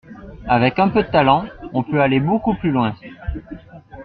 Avec un peu de talent, on peut aller beaucoup plus loin.